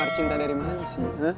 pakar cinta dari mana sih